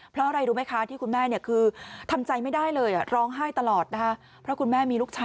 เพราะอะไรรู้ไหมคะที่คุณแม่คือทำใจไม่ได้เลยร้องไห้ตลอดนะคะ